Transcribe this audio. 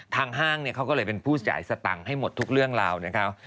ห้างเขาก็เลยเป็นผู้จ่ายสตังค์ให้หมดทุกเรื่องราวนะคะ